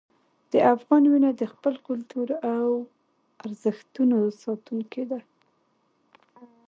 د افغان وینه د خپل کلتور او ارزښتونو ساتونکې ده.